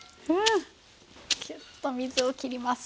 キュッと水を切ります。